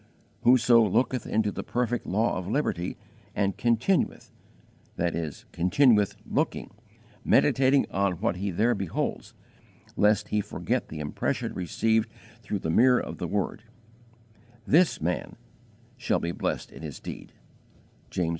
"Whoso looketh into the perfect law of liberty and continueth" (i.e. continueth looking meditating on what he there beholds, lest he forget the impression received through the mirror of the Word), "this man shall be blessed in his deed" (James i.